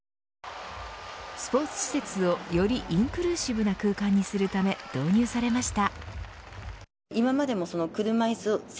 スポーツ施設をよりインクルーシブな空間にするため導入されました。